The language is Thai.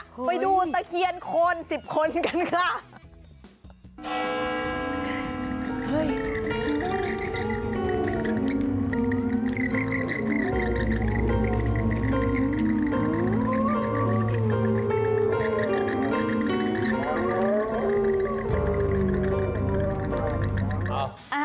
ไปดูตะเคียนโคน๑๐คนกันค่ะ